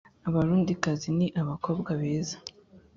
Abarundikazi ni abakobwa beza